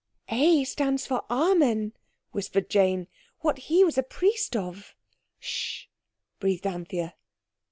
"A stands for Amen," whispered Jane; "what he was a priest of." "Hush!" breathed Anthea.